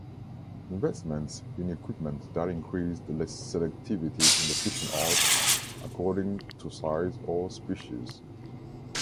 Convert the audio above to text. Investments in equipment that increase the selectivity in the fishing arts according to size or species.